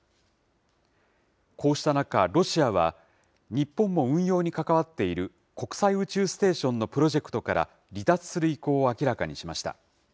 こうした中、ロシアは、日本も運用に関わっている国際宇宙ステーションのプロジェクトから離脱する意向を明らかにしました。